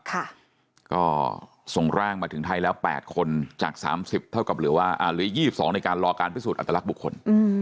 ก็ส่งร่างมาถึงไทยแล้ว๘คนจาก๓๐เท่ากับเหลือว่าอ่าเหลือ๒๒ในการรอการพิสูจนอัตลักษณ์บุคคล